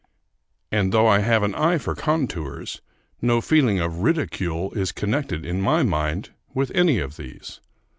And though I have an eye for contours, no feeling of ridicule is connected in my mind with any of these.